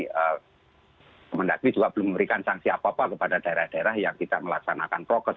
kementerian negeri juga belum memberikan sanksi apa apa kepada daerah daerah yang tidak melaksanakan progres